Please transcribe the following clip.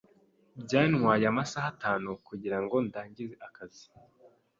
Byantwaye amasaha atanu kugirango ndangize akazi.